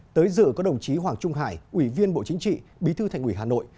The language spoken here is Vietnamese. tới dự có đồng chí hoàng trung hải ủy viên bộ chính trị bí thư thành ủy hà nội